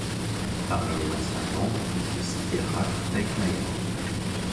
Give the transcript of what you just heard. Parmi les anciens membres on peut citer Ralph Tegtmeier.